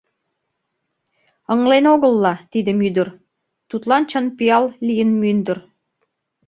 Ыҥлен огыл-ла тидым ӱдыр Тудлан чын пиал лийын мӱндыр.